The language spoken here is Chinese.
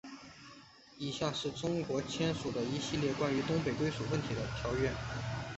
以下是中国签署的一系列关于东北归属问题的条约。